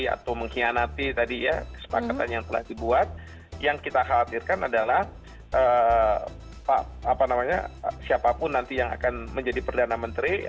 atau mengkhianati tadi ya kesepakatan yang telah dibuat yang kita khawatirkan adalah siapapun nanti yang akan menjadi perdana menteri